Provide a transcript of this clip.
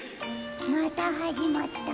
またはじまった。